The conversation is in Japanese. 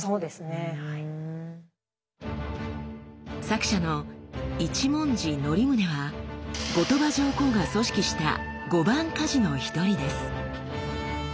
作者の一文字則宗は後鳥羽上皇が組織した「御番鍛冶」の一人です。